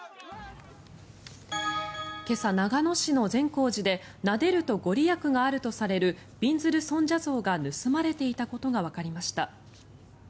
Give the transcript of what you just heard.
今朝、長野市の善光寺でなでると、ご利益があるとされるびんずる尊者像が盗まれていたことがわかりました。